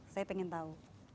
saya pengen tahu